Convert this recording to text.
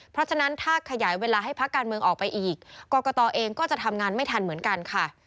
เพราะฉะนั้นถ้าขยายเวลาให้พักการเมืองออกไปอีกกรกตเองก็จะทำงานไม่ทันเหมือนกันค่ะ